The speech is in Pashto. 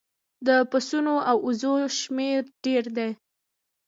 د پسونو او وزو شمیر ډیر دی